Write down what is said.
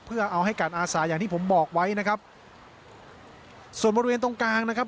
เพื่อเอาให้การอาสาอย่างที่ผมบอกไว้นะครับส่วนบริเวณตรงกลางนะครับ